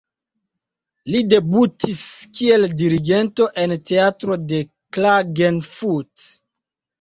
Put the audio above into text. Li debutis kiel dirigento en teatro de Klagenfurt.